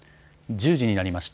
１０時になりました。